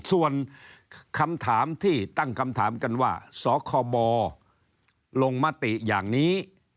ส่วนคำถามที่ตั้งคำถามกันว่าสคบลงมติอย่างนี้